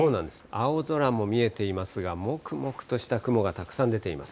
青空も見えていますが、もくもくとした雲がたくさん出ています。